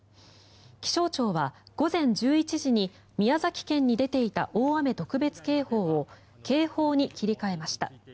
気象庁は午前１１時に宮崎県に出ていた大雨特別警報を警報に切り替えました。